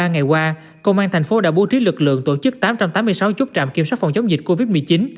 một mươi ba ngày qua công an tp hcm đã bố trí lực lượng tổ chức tám trăm tám mươi sáu chốt trạm kiểm soát phòng chống dịch covid một mươi chín